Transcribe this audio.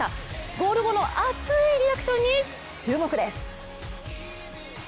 ゴール後の熱いリアクションに注目です。